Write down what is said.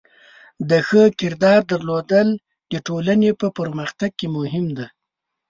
د ښه کردار درلودل د ټولنې په پرمختګ کې مهم دی.